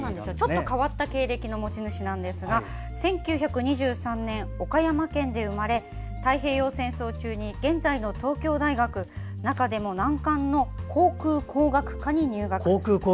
ちょっと変わった経歴の持ち主なんですが１９２３年、岡山県で生まれ太平洋戦争中に現在の東京大学、中でも難関の航空工学科に入学。